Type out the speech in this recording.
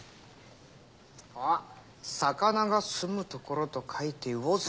あ魚が住むところと書いて魚住。